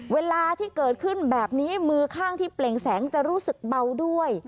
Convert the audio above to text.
เวลาที่เกิดขึ้นแบบนี้มือข้างที่เปล่งแสงจะรู้สึกเบาด้วย